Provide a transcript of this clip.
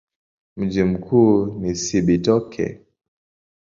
Mji mkuu ni Cibitoke.